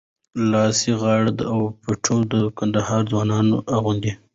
لاسي غاړه او پټو د کندهار ځوانان اغوندي.